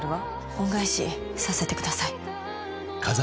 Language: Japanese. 恩返しさせてください。